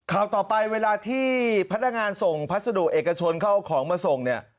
ข่าวต่อไปเวลาที่พนักงานส่งพัสดุเอกชนเข้าของมาส่งเนี่ย